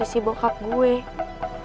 karena semenjak bokap gue meninggal